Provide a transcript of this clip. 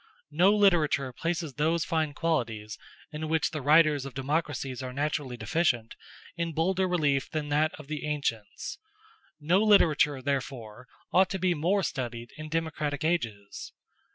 No literature places those fine qualities, in which the writers of democracies are naturally deficient, in bolder relief than that of the ancients; no literature, therefore, ought to be more studied in democratic ages.